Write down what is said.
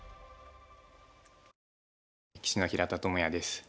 棋士の平田智也です。